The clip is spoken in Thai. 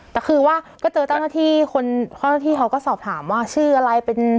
แต่คือว่าก็เจอตั้งแต่ที่เขาก็สอบถามว่าชื่ออะไร